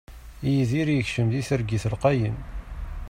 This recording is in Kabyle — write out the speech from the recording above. Yidir yekcem di targit lqayen.